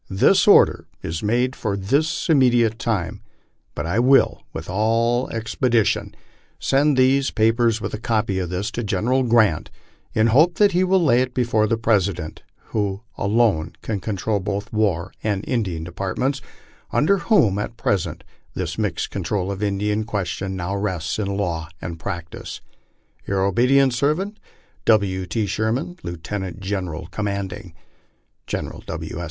This order is made for this immediate time, but I will, with all expedition, send these papers' with a copy of this, to General Grant, in the hope that he will lay it before the President, who alone can control both War and Indian Departments, under whom, at present, this mixed control Of Uie Indian question now rests in law and practice. Your obedient servant, W. T. SHERMAN, Lieutenant General Commanding. General W. S.